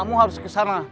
kamu harus kesana